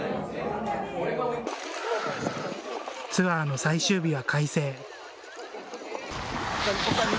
ツアーの最終日は快晴。